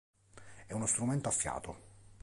È uno strumento a fiato